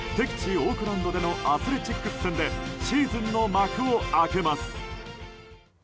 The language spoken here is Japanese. オークランドでのアスレチックス戦でシーズンの幕を開けます。